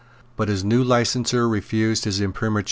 But the new licenser refused his Imprimatur.